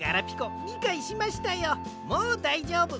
もうだいじょうぶ。